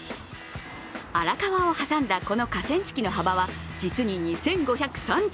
荒川を挟んだこの河川敷の幅は実に２５３７ｍ。